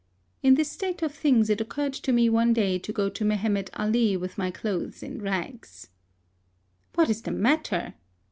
In this state of things it occurred to me one day to go to Mehemet Ali with my clothes in rags. "What is the matter?''